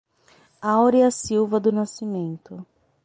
Aurea Silva do Nascimento